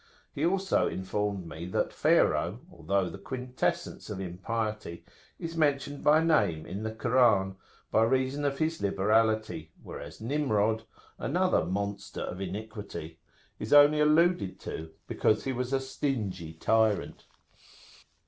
He also informed me that Pharaoh, although the quintessence of impiety, is mentioned by name in the Koran, by reason of his liberality; whereas Nimrod, another monster of iniquity, is only alluded to, because [p.165]he was a stingy tyrant.